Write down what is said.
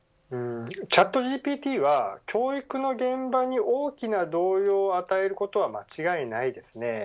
ＣｈａｔＧＰＴは教育の現場に大きな動揺を与えることは間違いないですね。